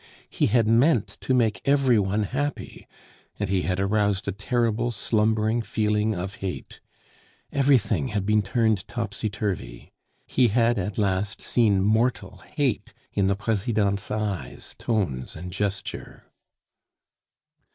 He had meant to make every one happy, and he had aroused a terrible slumbering feeling of hate; everything had been turned topsy turvy. He had at last seen mortal hate in the Presidente's eyes, tones, and gesture.